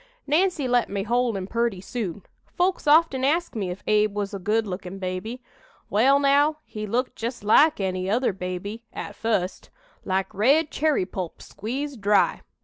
Nancy let me hold him purty soon. Folks often ask me if Abe was a good lookin' baby. Well, now, he looked just like any other baby, at fust like red cherry pulp squeezed dry.